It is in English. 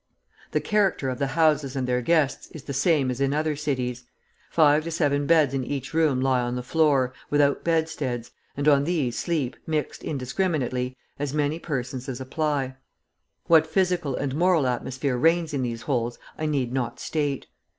The character of the houses and their guests is the same as in other cities. Five to seven beds in each room lie on the floor without bedsteads, and on these sleep, mixed indiscriminately, as many persons as apply. What physical and moral atmosphere reigns in these holes I need not state.